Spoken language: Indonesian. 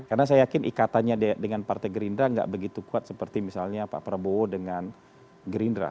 karena saya yakin ikatannya dengan partai gerindra enggak begitu kuat seperti misalnya pak prabowo dengan gerindra